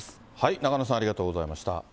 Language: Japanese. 中野さん、ありがとうございました。